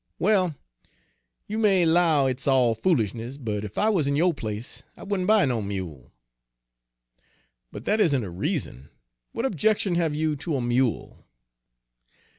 "Well, you may 'low hit's all foolis'ness, but ef I wuz in yo' place, I wouldn' buy no mule." "But that isn't a reason; what objection have you to a mule?"